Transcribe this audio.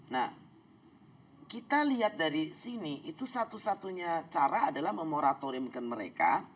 nah kita lihat dari sini itu satu satunya cara adalah memoratoriumkan mereka